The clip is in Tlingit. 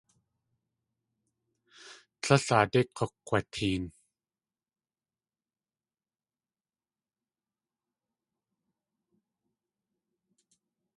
Tlél aadé k̲ukg̲wateen.